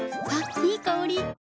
いい香り。